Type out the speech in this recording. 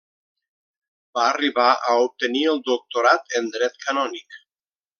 Va arribar a obtenir el doctorat en Dret Canònic.